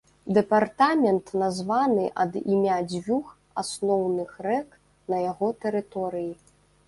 Дэпартамент названы ад імя дзвюх асноўных рэк на яго тэрыторыі.